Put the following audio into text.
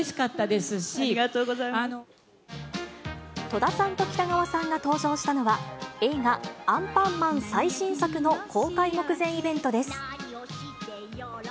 戸田さんと北川さんが登場したのは、映画、アンパンマン最新作の公開目前イベントです。